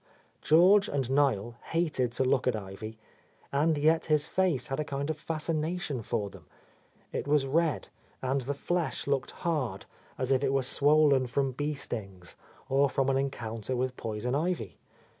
George and Niel hated to look at Ivy, — and yet his face had a kind of fascination for them. It was red, and the flesh looked hard, as if it were swollen from bee stings, or from an encounter with poison ivy.